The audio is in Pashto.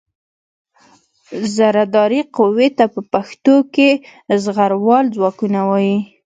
زرهدارې قوې ته په پښتو کې زغروال ځواکونه وايي.